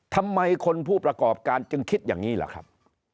ทำไมคนผู้ประกอบการจึงคิดอย่างนี้ล่ะครับ